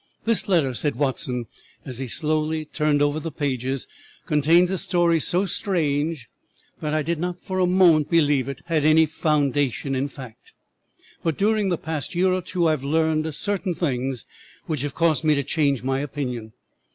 "This letter," said Watson, as he slowly turned over the pages, "contains a story so strange that I did not for a moment believe it had any foundation in fact; but during the past year or two I have learned certain things which have caused me to change my opinion.